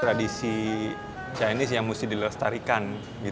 tradisi chinese yang mesti dilestarikan